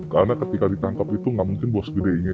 karena ketika ditangkap itu tidak mungkin bos gede itu tertangkap